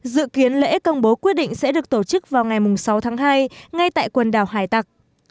dự kiến lễ công bố quyết định sẽ được tổ chức vào ngày sáu tháng hai ngay tại quần đảo hải tạc